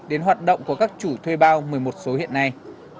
đến hoạt động của các chủ thuê bao người một số hiện nay